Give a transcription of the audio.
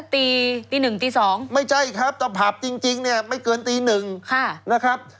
ตีตีหนึ่งตี๒ไม่ใช่ครับตะผับจริงเนี่ยไม่เกินตีหนึ่งนะครับ